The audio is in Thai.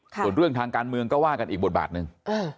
ส่วนเรื่องทางการเมืองก็ว่ากันอีกบทบาทหนึ่ง